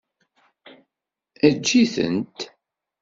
Eǧǧ-itent.